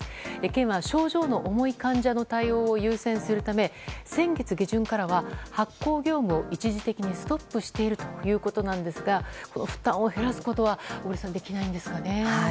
県は症状の重い患者の対応を優先するため先月下旬からは発行業務を一時的にストップしているということですが負担を減らすことは小栗さん、できないんですかね。